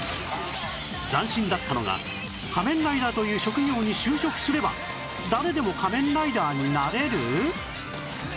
斬新だったのが仮面ライダーという職業に就職すれば誰でも仮面ライダーになれる！？